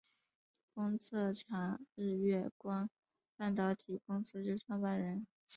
封测厂日月光半导体公司之创办人。